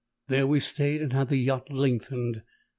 There we stayed and had the yacht lengthened.